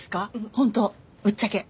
本当ぶっちゃけ。